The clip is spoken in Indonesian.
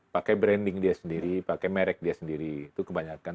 pakai branding dia sendiri pakai merek dia sendiri itu kebanyakan